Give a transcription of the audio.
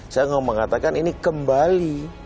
saya mau mengatakan ini kembali